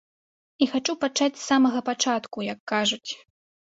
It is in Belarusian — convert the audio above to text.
І хачу пачаць з самага пачатку, як кажуць.